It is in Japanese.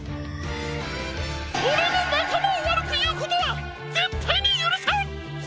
オレのなかまをわるくいうことはぜったいにゆるさん！